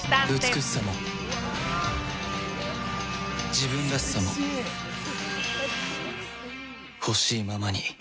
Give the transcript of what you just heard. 美しさも、自分らしさも、欲しいままに。